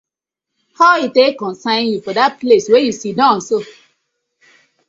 How e tak concern yu for dat place wey yu siddon so?